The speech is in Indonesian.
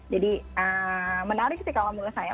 jadi menarik sih kalau menurut saya